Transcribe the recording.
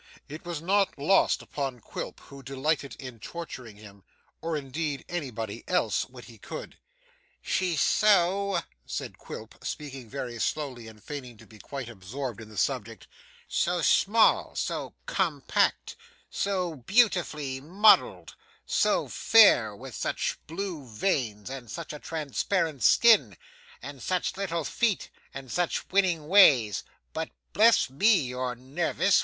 It was not lost upon Quilp, who delighted in torturing him, or indeed anybody else, when he could. 'She's so,' said Quilp, speaking very slowly, and feigning to be quite absorbed in the subject, 'so small, so compact, so beautifully modelled, so fair, with such blue veins and such a transparent skin, and such little feet, and such winning ways but bless me, you're nervous!